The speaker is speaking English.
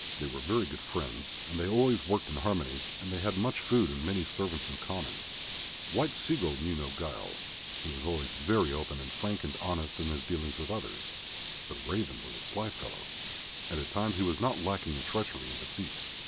They were very good friends and they always worked in harmony and they had much food and many servants in common. White Sea gull knew no guile; he was always very open and frank and honest in his dealings with others. But Raven was a sly fellow, and at times he was not lacking in treachery and deceit.